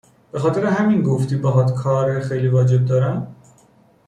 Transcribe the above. به خاطر همین گفتی باهات کار خیلی واجب دارم؟